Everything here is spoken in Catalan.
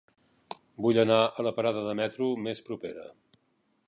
Vull anar a la parada de metro més propera.